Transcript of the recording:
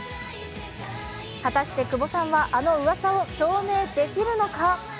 果たして久保さんはあのうわさを証明できるのか。